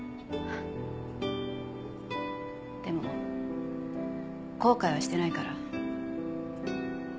でも後悔はしてないから。